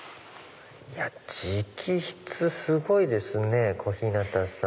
直筆すごいですね小日向さん。